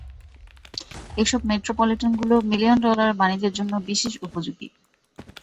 এসব মেট্রোপলিটন গুলো million dollar বাণিজ্যের জন্য বিশেষ উপযোগী।